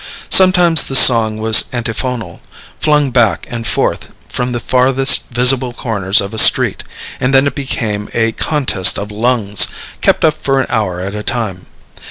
Sometimes the song was antiphonal, flung back and forth from the farthest visible corners of a street; and then it became a contest of lungs, kept up for an hour at a time.